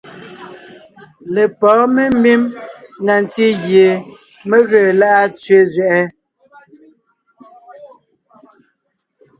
Lepɔ̌ɔn membím na ntí gie mé ge lá’a tsẅé zẅɛʼɛ;